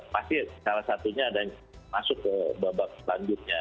pasti salah satunya ada yang masuk ke babak selanjutnya